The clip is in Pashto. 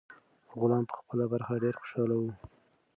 غلام په خپله برخه ډیر خوشاله و.